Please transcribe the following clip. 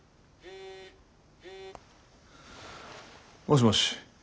もしもし。